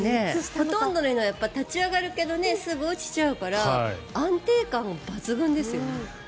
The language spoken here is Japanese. ほとんどの犬は立ち上がるけどすぐ落ちちゃうから安定感抜群ですよね。